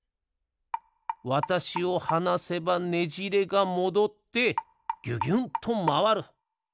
わたしをはなせばねじれがもどってぎゅぎゅんとまわる。